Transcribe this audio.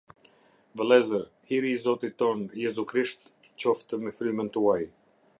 Vëllezër, hiri i Zotit tonë Jezu Krisht qoftë me frymën tuaj.